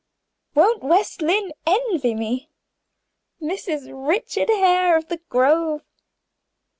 Won't West Lynne envy me! Mrs. Richard Hare of the Grove.